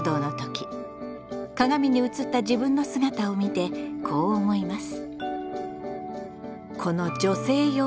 鏡に映った自分の姿を見てこう思います。